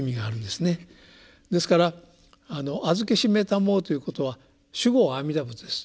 ですから「あづけしめたまふ」ということは主語は阿弥陀仏です。